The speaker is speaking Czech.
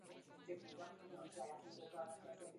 Žije ve Francii.